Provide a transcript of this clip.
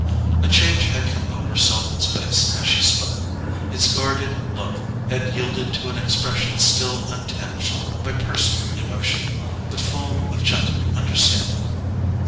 A change had come over Selden's face as she spoke. Its guarded look had yielded to an expression still untinged by personal emotion, but full of a gentle understanding.